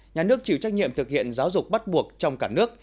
nhà nước chịu trách nhiệm thực hiện giáo dục bắt buộc trong cả nước